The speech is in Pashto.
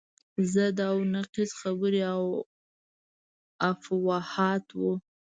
ضد و نقیض خبرې او افواهات وو.